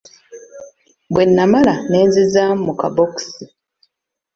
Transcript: Bwennamala ne nzizzaamu mu kabokisi.